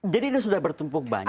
jadi ini sudah bertumpuk banyak